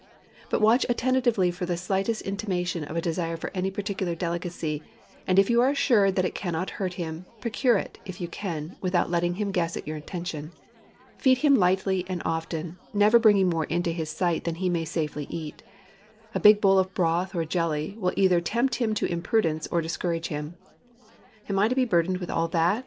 But watch attentively for the slightest intimation of a desire for any particular delicacy, and if you are assured that it cannot hurt him, procure it, if you can, without letting him guess at your intention. Feed him lightly and often, never bringing more into his sight than he may safely eat. A big bowl of broth or jelly will either tempt him to imprudence, or discourage him. "Am I to be burdened with all that?"